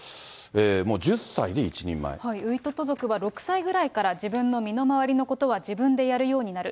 ウイトト族は６歳ぐらいから、自分の身の回りのことは自分でやるようになる。